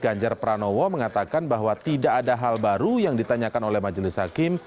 ganjar pranowo mengatakan bahwa tidak ada hal baru yang ditanyakan oleh majelis hakim